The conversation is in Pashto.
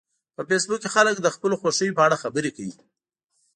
په فېسبوک کې خلک د خپلو خوښیو په اړه خبرې کوي